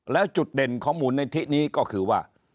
แล้วจุดเด่นของมูลนิธินี้ก็คือว่า